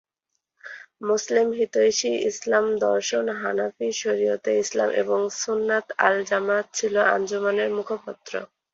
মোসলেম হিতৈষী, ইসলাম দর্শন, হানাফি, শরিয়তে ইসলাম এবং সুন্নাত আল-জামাআত ছিল আঞ্জুমানের মুখপত্র।